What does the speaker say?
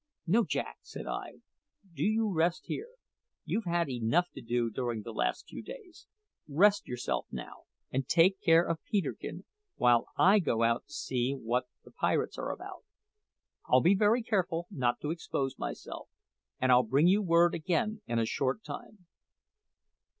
"No, Jack," said I; "do you rest here. You've had enough to do during the last few days. Rest yourself now, and take care of Peterkin, while I go out to see what the pirates are about. I'll be very careful not to expose myself, and I'll bring you word again in a short time."